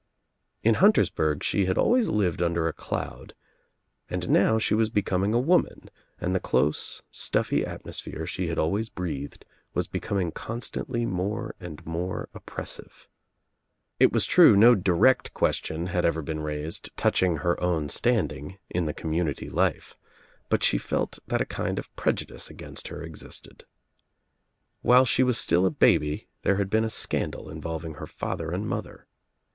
In Huntersburg she had always lived under a cloud and now she was becoming a woman and the close stuffy atmosphere she had always breathed was be coming constantly more and more oppressive. It was true no direct question had ever been raised touching her own standing in the community life, but she felt that a kind of prejudice against her existed. While she was still a baby there had been a scandal involving her father and mother.